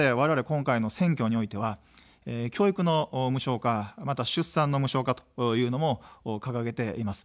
今回の選挙においては教育の無償化、また出産の無償化というのも掲げています。